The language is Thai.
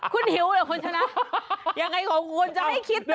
คุณหิวเหรอคุณช้ายังไงของคุณจะให้คิด